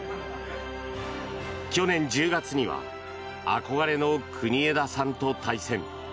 去年１０月には憧れの国枝さんと対戦。